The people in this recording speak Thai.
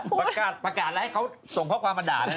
ประกาศประกาศแล้วให้เขาส่งข้อความบันดาบเลยนะ